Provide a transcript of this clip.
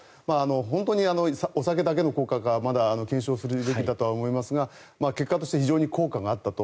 本当にお酒だけの効果かまだ検証するべきだと思いますが結果として非常に効果があったと。